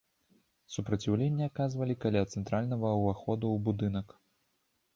Супраціўленне аказвалі каля цэнтральнага ўваходу ў будынак.